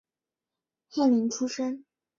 翰林出身。